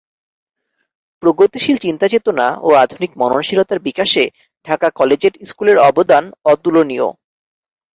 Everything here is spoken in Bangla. প্রগতিশীল চিন্তাচেতনা ও আধুনিক মননশীলতার বিকাশে ঢাকা কলেজিয়েট স্কুলের অবদান অতুলনীয়।